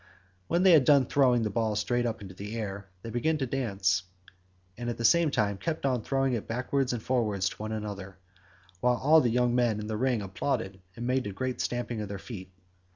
When they had done throwing the ball straight up into the air they began to dance, and at the same time kept on throwing it backwards and forwards to one another, while all the young men in the ring applauded and made a great stamping with their feet.